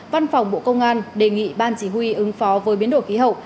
văn phòng bộ công an đề nghị ban chỉ huy ứng phó với biến đổi khí hậu